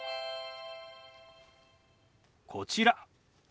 こちら。